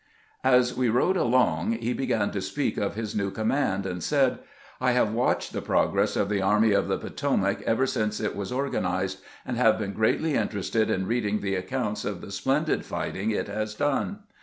As we rode along he began to speak of his new command, and said :" I have watched the progress of the Army of the Potomac ever since it was organized, and have been greatly interested in reading the accounts of the splendid fighting it has done.